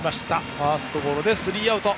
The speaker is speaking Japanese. ファーストゴロでスリーアウト。